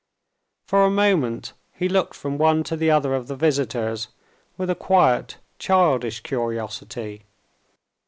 For a moment, he looked from one to the other of the visitors with a quiet childish curiosity.